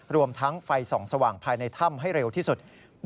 รวมทั้งไฟส่องสว่างภายในถ้ำให้เร็วที่สุด